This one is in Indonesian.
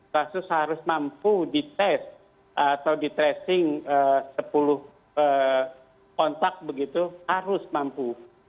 pasus harus mampu di test atau di tracing sepuluh kontak begitu harus mampu